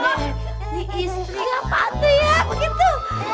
eh ini istri apaan tuh ya begitu